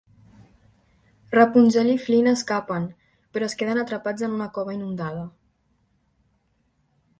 Rapunzel i Flynn escapen però es queden atrapats en una cova inundada.